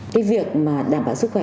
cái việc mà đảm bảo sức khỏe